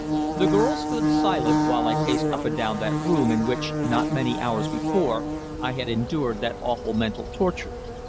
The girl stood silent, while I paced up and down that room in which, not many hours before, I had endured that awful mental torture.